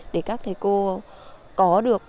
để các thầy cô có được